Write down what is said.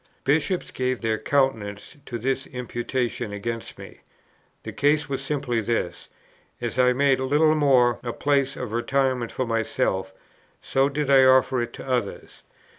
Bishops gave their countenance to this imputation against me. The case was simply this: as I made Littlemore a place of retirement for myself, so did I offer it to others.